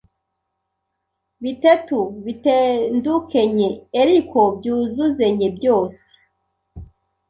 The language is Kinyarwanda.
bitetu bitendukenye eriko byuzuzenye byose